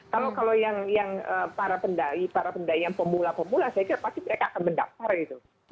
kalau para pendai pendai yang pemula pemula saya kira pasti mereka akan mendaftar gitu